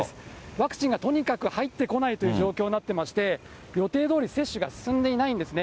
ワクチンがとにかく入ってこないという状況になってまして、予定どおり接種が進んでいないんですね。